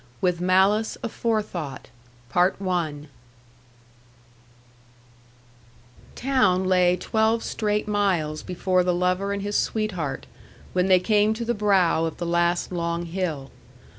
WITH MALICE AFORETHOUGHT Town lay twelve straight miles before the lover and his sweetheart, when they came to the brow of the last long hill.